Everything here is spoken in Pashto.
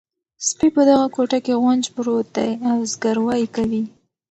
سپي په دغه کوټه کې غونج پروت دی او زګیروی کوي.